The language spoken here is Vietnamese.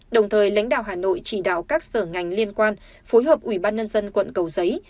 đồng thời lãnh đạo hà nội chỉ đạo các sở ngành liên quan phối hợp ủy ban nhân dân quận cầu giấy